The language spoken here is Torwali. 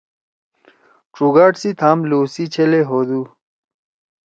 ڇُگاڑ سی تھام لو سی چھلے ہودُو۔